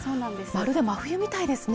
まるで真冬みたいですね。